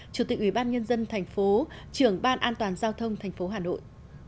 chủ tịch ủy ban nhân dân tp trưởng ban an toàn giao thông tp hà nội